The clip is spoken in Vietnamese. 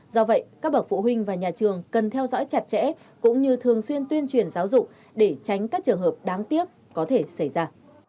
do vậy các bậc phụ huynh và nhà trường cần theo dõi chặt chẽ cũng như thường xuyên tuyên truyền giáo dục để tránh các trường hợp đáng tiếc có thể xảy ra